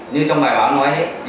như trong bài báo hôm ngoái đấy